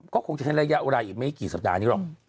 ก็คงจะใช้ระยะเวลาอีกไม่กี่สัปดาห์นี้หรอก